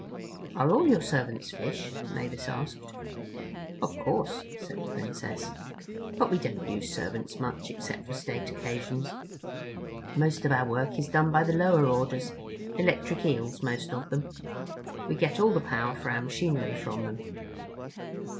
"Are all your servants fish?" Mavis asked. "Of course," said the Princess, "but we don't use servants much except for state occasions. Most of our work is done by the lower orders—electric eels, most of them. We get all the power for our machinery from them."